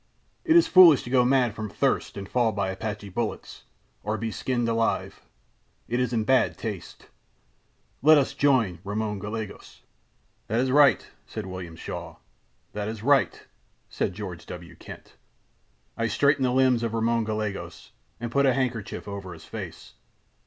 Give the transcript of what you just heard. It is foolish to go mad from thirst and fall by Apache bullets, or be skinned alive—it is in bad taste. Let us join Ramon Gallegos.' "'That is right,' said William Shaw. "'That is right,' said George W. Kent. "I straightened the limbs of Ramon Gallegos and put a handkerchief over his face.